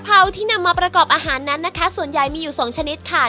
ที่นำมาประกอบอาหารนั้นนะคะส่วนใหญ่มีอยู่สองชนิดค่ะ